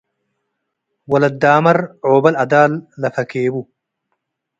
ወለት ዳመር ዖበል አዳል ለፈኬቡ